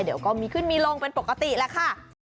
เดี๋ยวก็มีขึ้นมีลงเป็นปกติแหละค่ะ